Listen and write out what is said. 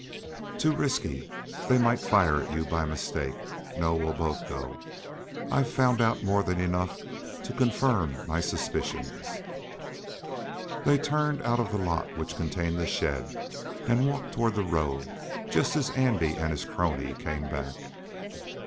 "Too risky. They might fire at you by mistake. No. We'll both go. I've found out more than enough to confirm my suspicions." They turned out of the lot which contained the shed, and walked toward the road, just as Andy and his crony came back.